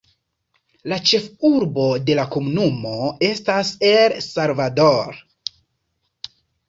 La ĉefurbo de la komunumo estas El Salvador.